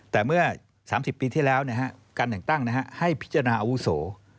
แต่เมื่อ๓๐ปีที่แล้วการแต่งตั้งให้พิจารณาอาวุโส